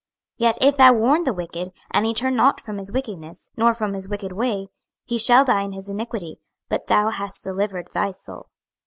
26:003:019 Yet if thou warn the wicked, and he turn not from his wickedness, nor from his wicked way, he shall die in his iniquity; but thou hast delivered thy soul.